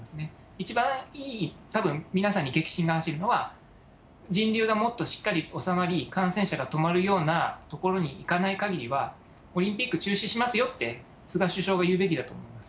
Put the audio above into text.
一番いい、たぶん、皆さんに激震が走るのは、人流がもっとしっかり収まり、感染者が止まるようなところにいかないかぎりは、オリンピック中止しますよって、菅首相が言うべきだと思います。